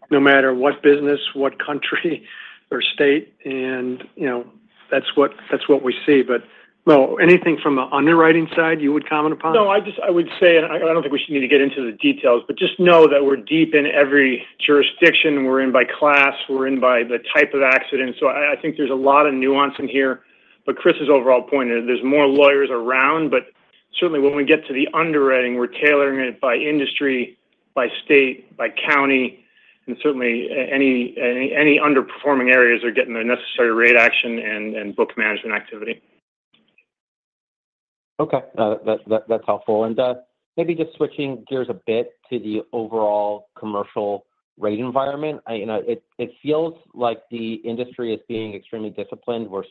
no matter what business, what country or state, and, you know, that's what we see. But, Mo, anything from the underwriting side you would comment upon? No, I just, I would say, and I don't think we should need to get into the details, but just know that we're deep in every jurisdiction, we're in by class, we're in by the type of accident. So I think there's a lot of nuance in here. But Chris's overall point is, there's more lawyers around, but certainly when we get to the underwriting, we're tailoring it by industry, by state, by county, and certainly any underperforming areas are getting the necessary rate action and book management activity. Okay. That's helpful. And maybe just switching gears a bit to the overall commercial rate environment. You know, it feels like the industry is being extremely disciplined. We're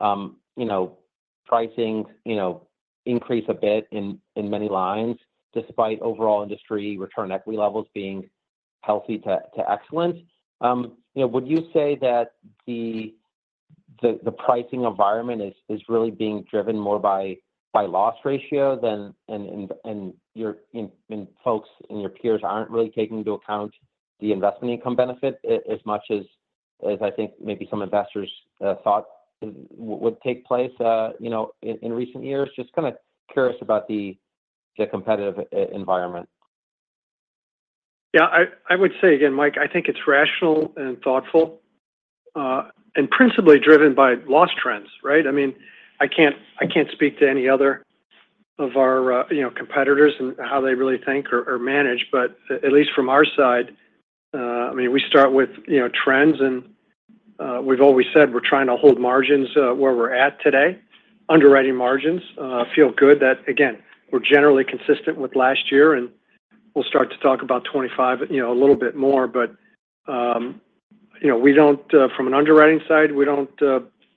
seeing you know, pricing you know, increase a bit in many lines, despite overall industry return equity levels being healthy to excellent. You know, would you say that the pricing environment is really being driven more by loss ratio than and your folks and your peers aren't really taking into account the investment income benefit as much as I think maybe some investors thought would take place you know, in recent years? Just kind of curious about the competitive environment. Yeah, I would say again, Mike, I think it's rational and thoughtful, and principally driven by loss trends, right? I mean, I can't speak to any other of our, you know, competitors and how they really think or manage, but at least from our side, I mean, we start with, you know, trends, and, we've always said we're trying to hold margins, where we're at today. Underwriting margins feel good that, again, we're generally consistent with last year, and we'll start to talk about 2025, you know, a little bit more. But, You know, we don't, from an underwriting side, we don't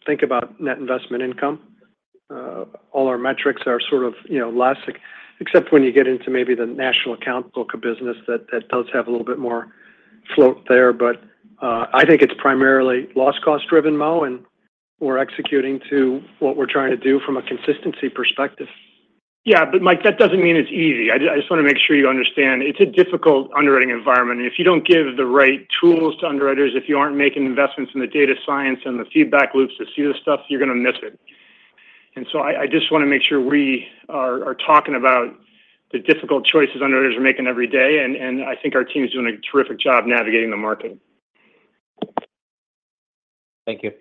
think about net investment income. All our metrics are sort of, you know, elastic, except when you get into maybe the national account book of business, that does have a little bit more float there. But, I think it's primarily loss cost-driven, Mo, and we're executing to what we're trying to do from a consistency perspective. Yeah, but, Mike, that doesn't mean it's easy. I just wanna make sure you understand. It's a difficult underwriting environment. If you don't give the right tools to underwriters, if you aren't making investments in the data science and the feedback loops to see this stuff, you're gonna miss it. And so I just wanna make sure we are talking about the difficult choices underwriters are making every day, and I think our team is doing a terrific job navigating the market. Thank you.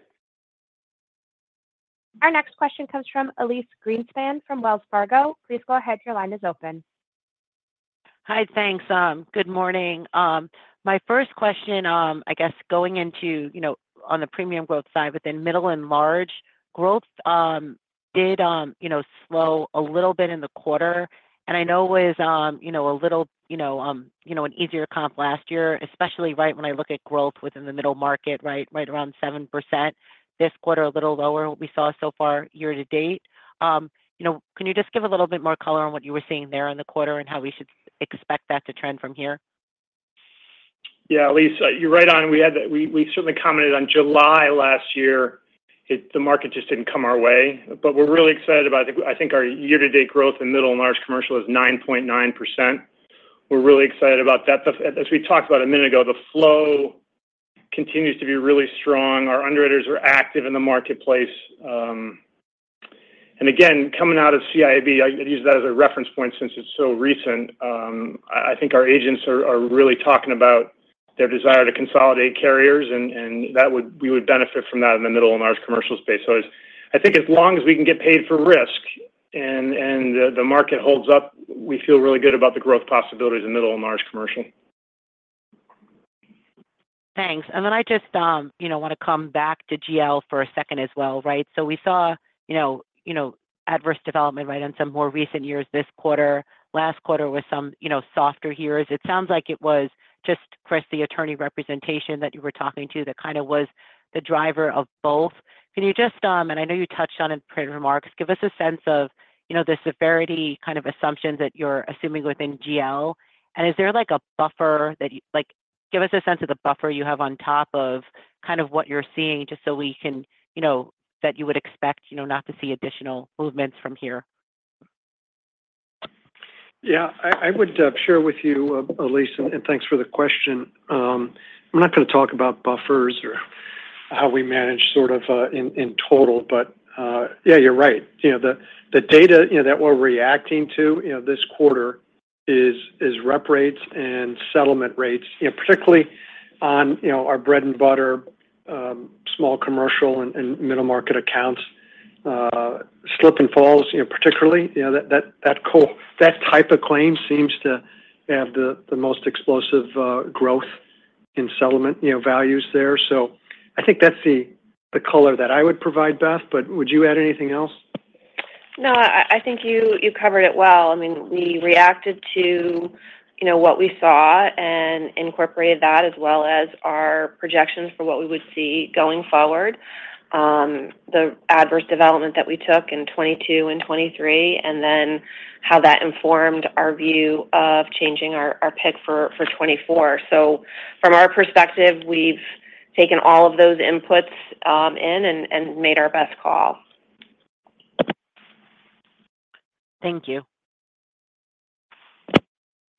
Our next question comes from Elyse Greenspan from Wells Fargo. Please go ahead. Your line is open. Hi. Thanks. Good morning. My first question, I guess going into, you know, on the premium growth side, but then middle and large growth, you know, did slow a little bit in the quarter. And I know it was, you know, a little, you know, an easier comp last year, especially when I look at growth within the middle market, right around 7%. This quarter, a little lower than what we saw so far year to date. You know, can you just give a little bit more color on what you were seeing there in the quarter and how we should expect that to trend from here? Yeah, Elyse, you're right on. We certainly commented on July last year, the market just didn't come our way. But we're really excited about it. I think our year-to-date growth in middle and large commercial is 9.9%. We're really excited about that. But as we talked about a minute ago, the flow continues to be really strong. Our underwriters are active in the marketplace. And again, coming out of CIAB, I'd use that as a reference point since it's so recent. I think our agents are really talking about their desire to consolidate carriers, and that would, we would benefit from that in the middle and large commercial space. So I think as long as we can get paid for risk and the market holds up, we feel really good about the growth possibilities in middle and large commercial. Thanks. And then I just, you know, wanna come back to GL for a second as well, right? So we saw, you know, adverse development, right, on some more recent years this quarter. Last quarter was some, you know, softer years. It sounds like it was just, Chris, the attorney representation that you were talking to that kind of was the driver of both. Can you just, and I know you touched on it in your remarks, give us a sense of, you know, the severity kind of assumptions that you're assuming within GL? And is there, like, a buffer that you... Like, give us a sense of the buffer you have on top of kind of what you're seeing, just so we can, you know, that you would expect, you know, not to see additional movements from here. Yeah. I would share with you, Elyse, and thanks for the question. I'm not gonna talk about buffers or how we manage sort of in total, but yeah, you're right. You know, the data you know that we're reacting to you know this quarter is rep rates and settlement rates you know particularly on you know our bread and butter small commercial and middle market accounts. Slip and falls you know particularly you know that type of claim seems to have the most explosive growth in settlement you know values there. So I think that's the color that I would provide, Beth, but would you add anything else? No, I think you covered it well. I mean, we reacted to, you know, what we saw and incorporated that, as well as our projections for what we would see going forward. The adverse development that we took in 2022 and 2023, and then how that informed our view of changing our pick for 2024. So from our perspective, we've taken all of those inputs in and made our best call. Thank you.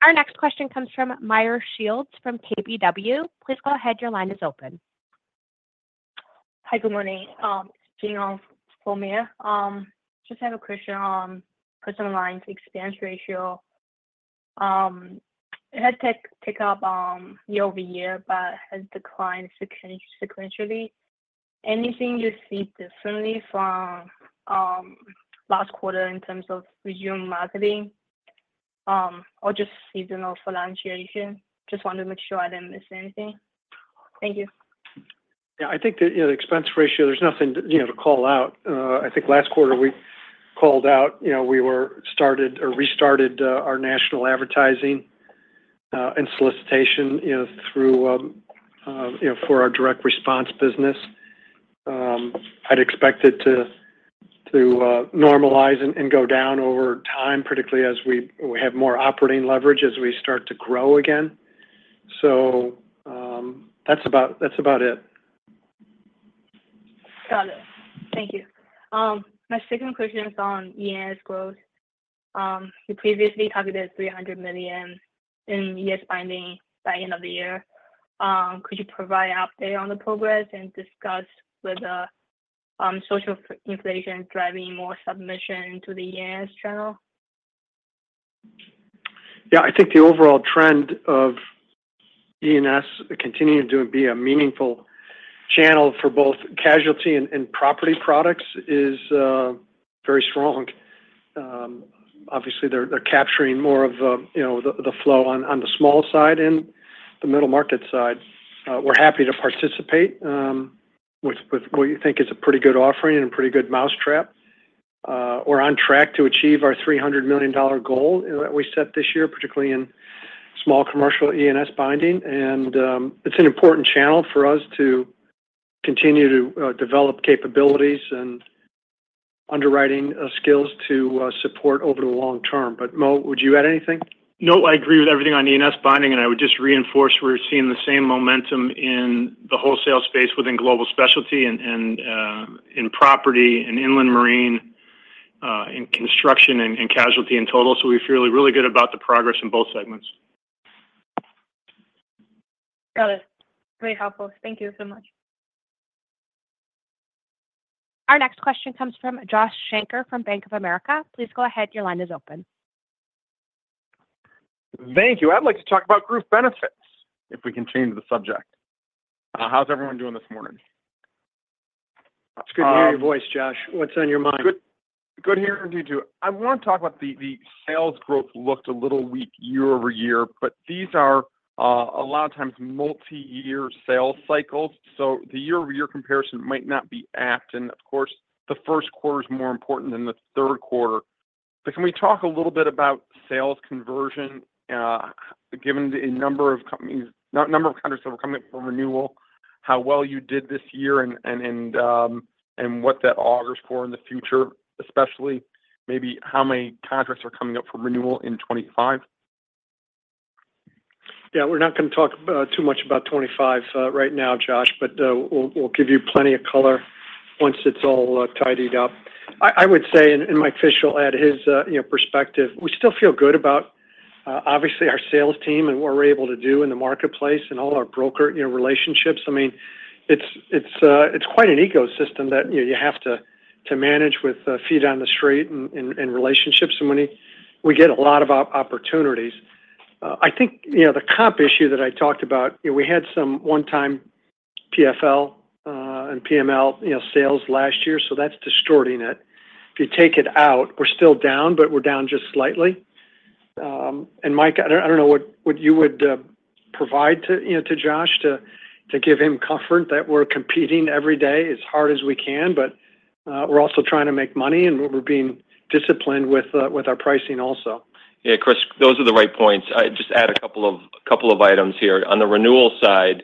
Our next question comes from Meyer Shields, from KBW. Please go ahead. Your line is open. Hi, good morning. [Ziong] for Meyer. Just have a question on personal lines expense ratio. It had ticked up year over year, but has declined sequentially. Anything you see differently from last quarter in terms of resume marketing or just seasonal fluctuation? Just wanted to make sure I didn't miss anything. Thank you. Yeah, I think that, you know, the expense ratio, there's nothing to, you know, to call out. I think last quarter we called out, you know, we started or restarted our national advertising and solicitation, you know, through, you know, for our direct response business. I'd expect it to normalize and go down over time, particularly as we have more operating leverage as we start to grow again. So, that's about it. Got it. Thank you. My second question is on E&S growth. You previously targeted $300 million in E&S binding by end of the year. Could you provide an update on the progress and discuss with social inflation driving more submission to the E&S channel? Yeah, I think the overall trend of E&S continuing to be a meaningful channel for both casualty and property products is very strong. Obviously, they're capturing more of the, you know, the flow on the small side and the middle market side. We're happy to participate with what we think is a pretty good offering and a pretty good mousetrap. We're on track to achieve our $300 million goal that we set this year, particularly in small commercial E&S binding. And, it's an important channel for us to continue to develop capabilities and underwriting skills to support over the long term. But, Mo, would you add anything? No, I agree with everything on E&S binding, and I would just reinforce we're seeing the same momentum in the wholesale space within Global Specialty and in property, in inland marine, in construction, and casualty in total. So we feel really good about the progress in both segments. Got it. Very helpful. Thank you so much. Our next question comes from Josh Shanker from Bank of America. Please go ahead. Your line is open. Thank you. I'd like to talk about group benefits, if we can change the subject. How's everyone doing this morning? It's good to hear your voice, Josh. What's on your mind? Good. Good hearing you, too. I want to talk about the sales growth looked a little weak year over year, but these are a lot of times multi-year sales cycles, so the year-over-year comparison might not be apt. And, of course, the first quarter is more important than the third quarter. But can we talk a little bit about sales conversion, given the number of countries that are coming up for renewal, how well you did this year, and what that augurs for in the future, especially maybe how many contracts are coming up for renewal in 2025? Yeah, we're not going to talk too much about 2025 right now, Josh, but we'll give you plenty of color once it's all tidied up. I would say, and Mike Fish will add his, you know, perspective. We still feel good about obviously our sales team and what we're able to do in the marketplace and all our broker, you know, relationships. I mean, it's quite an ecosystem that, you know, you have to manage with feet on the street and relationships, and we get a lot of opportunities. I think, you know, the comp issue that I talked about, you know, we had some one-time PFL and PFML, you know, sales last year, so that's distorting it. If you take it out, we're still down, but we're down just slightly. And Mike, I don't know what you would provide to, you know, to Josh to give him comfort that we're competing every day as hard as we can, but we're also trying to make money, and we're being disciplined with our pricing also. Yeah, Chris, those are the right points. I'd just add a couple of items here. On the renewal side,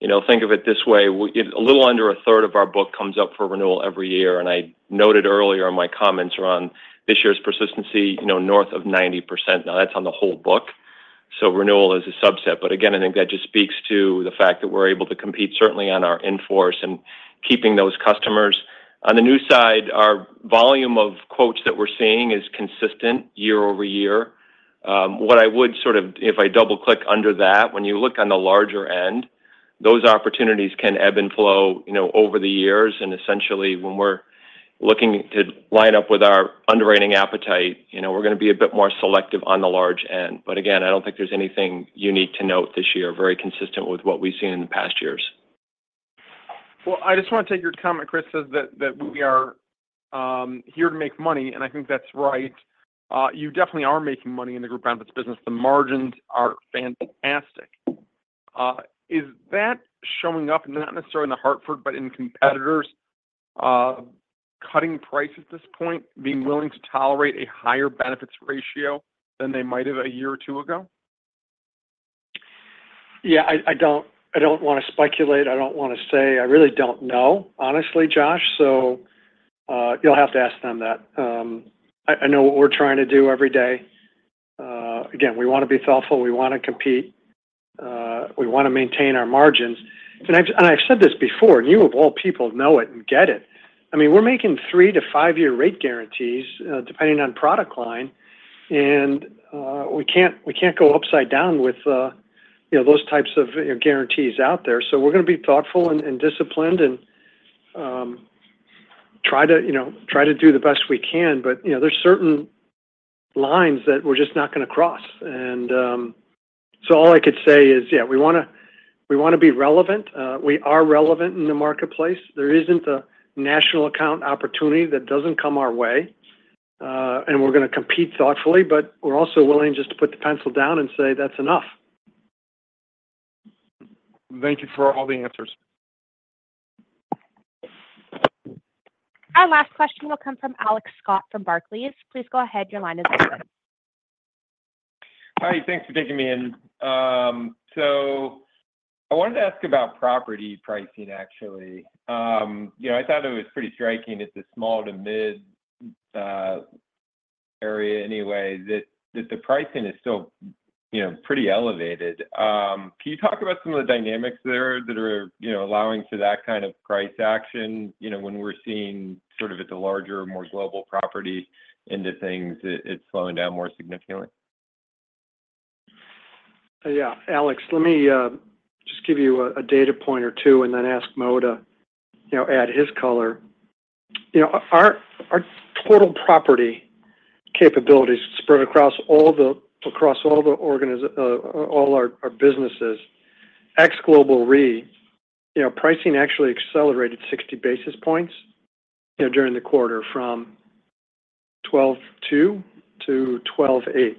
you know, think of it this way, we a little under a third of our book comes up for renewal every year, and I noted earlier in my comments around this year's persistency, you know, north of 90%. Now, that's on the whole book, so renewal is a subset. But again, I think that just speaks to the fact that we're able to compete, certainly on our end and keeping those customers. On the new side, our volume of quotes that we're seeing is consistent year over year. What I would sort of if I double-click under that, when you look on the larger end, those opportunities can ebb and flow, you know, over the years. Essentially, when we're looking to line up with our underwriting appetite, you know, we're going to be a bit more selective on the large end. Again, I don't think there's anything you need to note this year, very consistent with what we've seen in the past years. I just want to take your comment, Chris, says that we are here to make money, and I think that's right. You definitely are making money in the group benefits business. The margins are fantastic. Is that showing up, not necessarily in The Hartford, but in competitors, cutting price at this point, being willing to tolerate a higher benefits ratio than they might have a year or two ago? Yeah, I don't want to speculate. I don't want to say. I really don't know, honestly, Josh, so, you'll have to ask them that. I know what we're trying to do every day. Again, we want to be thoughtful, we want to compete, we want to maintain our margins. And I've said this before, and you of all people know it and get it. I mean, we're making three to five-year rate guarantees, depending on product line, and, we can't go upside down with, you know, those types of, you know, guarantees out there. So we're going to be thoughtful and disciplined and, try to do the best we can. But, you know, there's certain lines that we're just not going to cross. All I could say is, yeah, we wanna, we want to be relevant. We are relevant in the marketplace. There isn't a national account opportunity that doesn't come our way, and we're gonna compete thoughtfully, but we're also willing just to put the pencil down and say, "That's enough. Thank you for all the answers. Our last question will come from Alex Scott from Barclays. Please go ahead. Your line is open. Hi, thanks for taking me in. So I wanted to ask about property pricing, actually. You know, I thought it was pretty striking at the small to mid area anyway, that the pricing is still, you know, pretty elevated. Can you talk about some of the dynamics there that are, you know, allowing for that kind of price action? You know, when we're seeing sort of at the larger, more global property into things, it's slowing down more significantly. Yeah. Alex, let me just give you a data point or two and then ask Mo to, you know, add his color. You know, our total property capabilities spread across all our businesses. Ex Global Re, you know, pricing actually accelerated sixty basis points, you know, during the quarter from 12.2 to 12.8.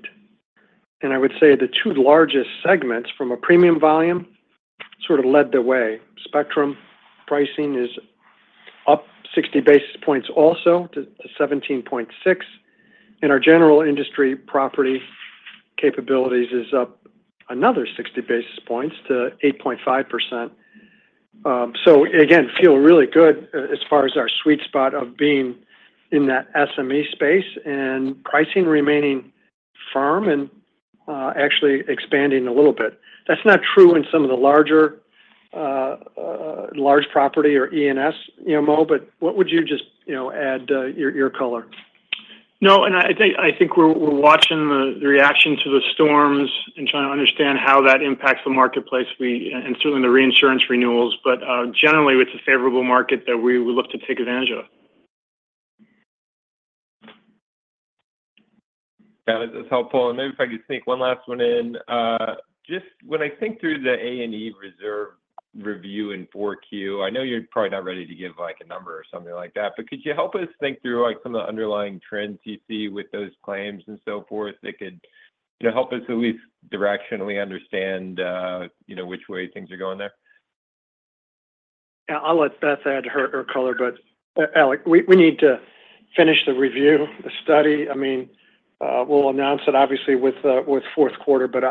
And I would say the two largest segments from a premium volume sort of led the way. Spectrum pricing is up sixty basis points also to 17.6, and our general industry property capabilities is up another sixty basis points to 8.5%. So again, feel really good as far as our sweet spot of being in that SME space, and pricing remaining firm and actually expanding a little bit. That's not true in some of the larger property or E&S, you know, Mo, but what would you just, you know, add your color? No, and I think we're watching the reaction to the storms and trying to understand how that impacts the marketplace. We and certainly the reinsurance renewals, but generally, it's a favorable market that we would look to take advantage of. Got it. That's helpful. And maybe if I could sneak one last one in. Just when I think through the A&E reserve review in 4Q, I know you're probably not ready to give, like, a number or something like that, but could you help us think through, like, some of the underlying trends you see with those claims and so forth, that could, you know, help us at least directionally understand, you know, which way things are going there? Yeah, I'll let Beth add her color, but Alex, we need to finish the review, the study. I mean, we'll announce it obviously with fourth quarter, but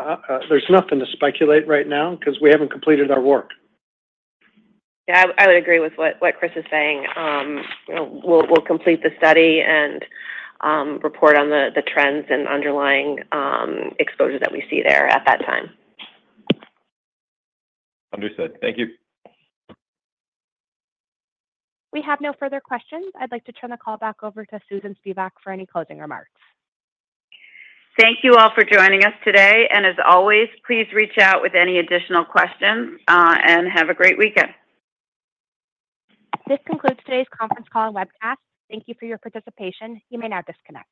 there's nothing to speculate right now 'cause we haven't completed our work. Yeah, I would agree with what Chris is saying. You know, we'll complete the study and report on the trends and underlying exposure that we see there at that time. Understood. Thank you. We have no further questions. I'd like to turn the call back over to Susan Spivak for any closing remarks. Thank you all for joining us today, and as always, please reach out with any additional questions, and have a great weekend. This concludes today's conference call and webcast. Thank you for your participation. You may now disconnect.